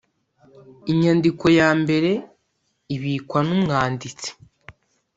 inyandiko ya mbere ibikwa n’umwanditsi